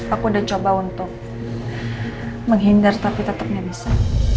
aku udah coba untuk menghindar tapi tetap nggak bisa